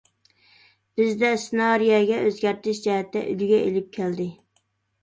بىزدە سېنارىيەگە ئۆزگەرتىش جەھەتتە ئۈلگە ئېلىپ كەلدى.